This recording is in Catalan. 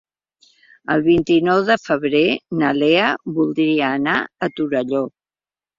El vint-i-nou de febrer na Lea voldria anar a Torelló.